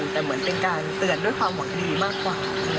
แต่เหมือนเป็นการเตือนด้วยความหวังดีมากกว่า